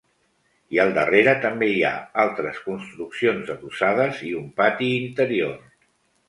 I al darrere també hi ha altres construccions adossades i un pati interior.